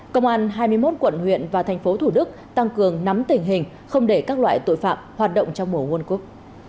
công an hai mươi một quận huyện và tp thủ đức tăng cường nắm tình hình không để các loại tội phạm hoạt động trong mùa world cup